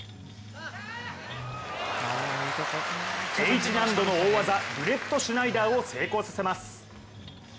Ｈ難度の大技ブレッドシュナイダーを成功させます。